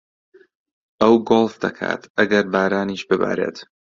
ئەو گۆڵف دەکات ئەگەر بارانیش ببارێت.